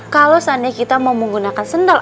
kalau seandainya kita mau menggunakan sendal